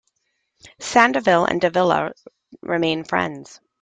Sandoval and Davila remain friends.